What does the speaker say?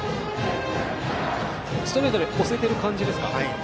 ストレートで押せている感じですか。